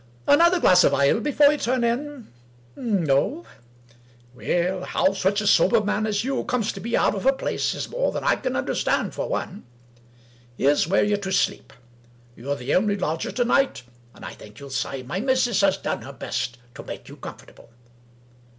Another glass of ale, before you turn in ?— No !— Well, how such a sober man as you comes to be out of a place is more than I can understand for one. — Here's where you're to sleep. You're the only lodger to night, and I think you'll say my missus has done her best to make you comfortable.